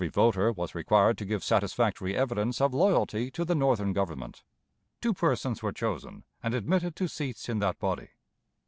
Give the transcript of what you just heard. Every voter was required to give satisfactory evidence of "loyalty" to the Northern Government. Two persons were chosen and admitted to seats in that body.